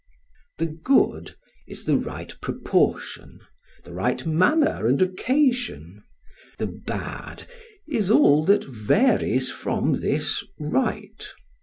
The Good is the right proportion, the right manner and occasion; the Bad is all that varies from this "right."